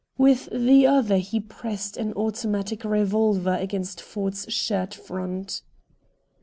With the other he pressed an automatic revolver against Ford's shirt front.